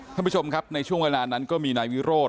ท่านผู้ชมครับในช่วงเวลานั้นก็มีนายวิโรธ